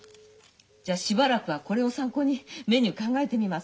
じゃあしばらくはこれを参考にメニュー考えてみます。